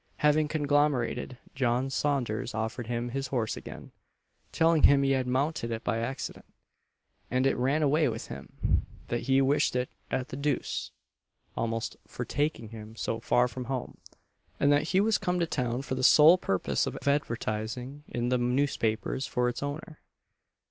Having conglomerated, John Saunders offered him his horse again telling him he had "mounted it by accident," and it ran away with him; that he wished it at the dooce, almost, for taking him so far from home; and that he was come to town for the sole purpose of advertising in the noosepapers for its owner.